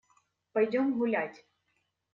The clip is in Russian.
Пойдем гулять!